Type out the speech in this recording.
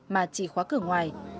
mà chỉ khóa cửa ngoài